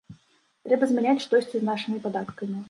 Трэба змяняць штосьці з нашымі падаткамі.